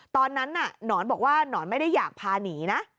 ตอนนั้นน่ะหนอนบอกว่าหนอนไม่ได้อยากพาหนีนะ